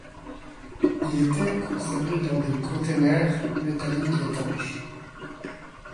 Il était conservé dans des conteneurs métalliques étanches.